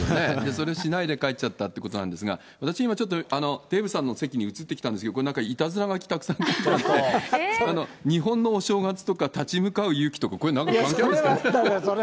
それしないで帰っちゃったということなんですが、私、今、ちょっとデーブさんの席に移ってきたんですけど、これ、なんかいたずら書きたくさん書いてあって、日本のお正月とか、立ち向かう勇気とか、これ、なんか関係あるんですか？